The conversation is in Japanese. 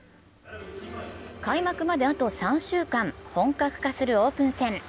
開幕まであと３週間、本格化するオープン戦。